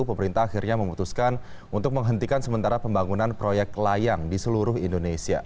pemerintah akhirnya memutuskan untuk menghentikan sementara pembangunan proyek layang di seluruh indonesia